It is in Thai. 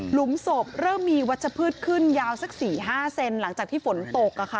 หุมศพเริ่มมีวัชพืชขึ้นยาวสัก๔๕เซนหลังจากที่ฝนตก